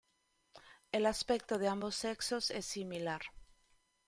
El aspecto de ambos sexos es similar.